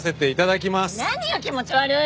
何よ気持ち悪い！